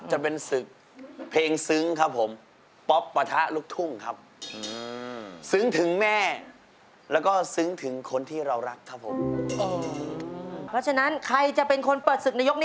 ท่านเขากัดมาแล้วนะครับผม